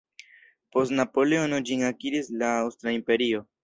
Post Napoleono, ĝin akiris la Aŭstra imperio.